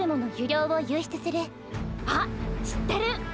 あっ知ってる！